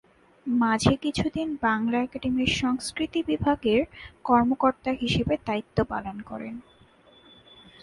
মাঝে কিছুদিন বাংলা একাডেমির সংস্কৃতি বিভাগের কর্মকর্তা হিসেবে দায়িত্ব পালন করেন।